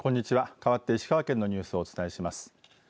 かわって石川県のニュースをお伝えします。